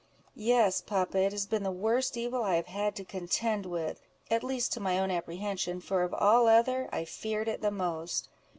"Yes, papa; it has been the worst evil I have had to contend with, at least to my own apprehension, for of all other, I feared it the most.